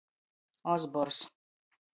Ozbors.